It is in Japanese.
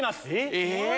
え！